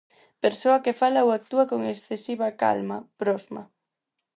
Persoa que fala ou actúa con excesiva calma, prosma.